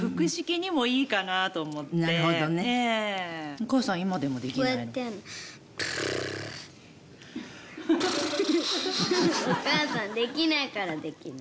お母さんできないからできないの。